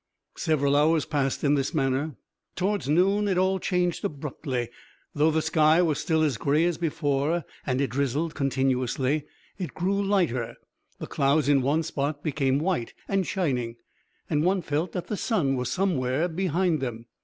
Several hours passed in this manner, but towards noon it all changed abruptly. Though the sky was still as grey as before and it drizzled continuously, it grew lighter, the clouds in one spot became white and shining and one felt that the sun was somewhere behind them.